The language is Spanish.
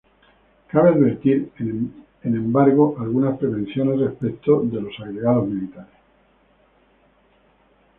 Cabe advertir, en embargo, algunas prevenciones respecto de los agregados militares.